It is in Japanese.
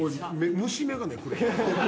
虫眼鏡くれ。